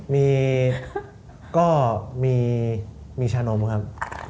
มีก็มีชานมครับ